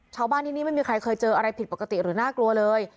ชาวบ้านที่นี่ไม่มีใครเคยเจออะไรผิดปกติหรือน่ากลัวเลย